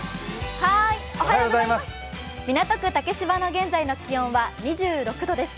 港区・竹芝の現在の気温は２６度です。